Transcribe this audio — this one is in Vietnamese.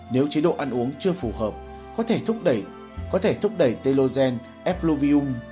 nếu chế độ ăn uống chưa phù hợp có thể thúc đẩy telogen effluvium